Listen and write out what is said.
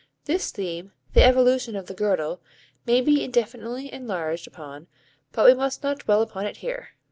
This theme, the evolution of the girdle, may be indefinitely enlarged upon but we must not dwell upon it here.